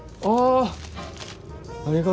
ああ！